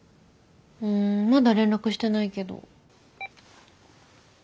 うんまだ連絡してないけど。